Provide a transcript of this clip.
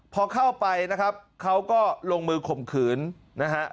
พอเข้าไปนะครับเขาก็ลงมือข่มขืนนะฮะ